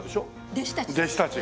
弟子たち。